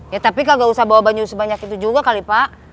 ya tapi kagak usah bawa banjir sebanyak itu juga kali pak